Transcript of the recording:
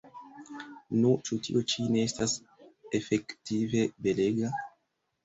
Nu, ĉu tio ĉi ne estas efektive belega?